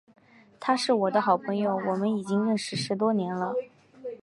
他是我的好朋友，我们已经认识十多年了。